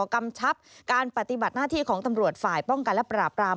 กำชับการปฏิบัติหน้าที่ของตำรวจฝ่ายป้องกันและปราบราม